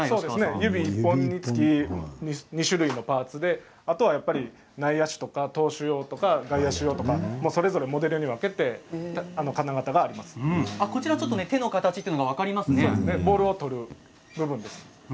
指１本につき２種類のパーツであと内野手とか投手用とか外野手用とか、それぞれモデルに手の形というのがボールをとる部分です。